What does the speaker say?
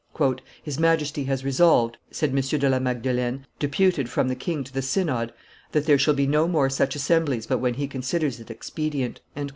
"His Majesty has resolved," said M. de la Magdelaine, deputed from the king to the synod, "that there shall be no more such assemblies but when he considers it expedient."